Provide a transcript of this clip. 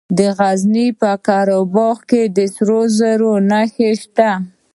د غزني په قره باغ کې د سرو زرو نښې شته.